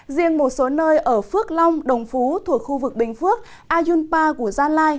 riêng một số nơi ở phước long đồng phú thuộc khu vực bình phước ayunpa của gia lai